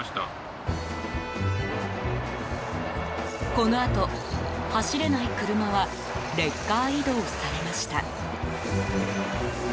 このあと、走れない車はレッカー移動されました。